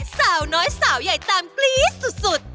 สาวน้อยสาวใหญ่ตามกรี๊ดสุด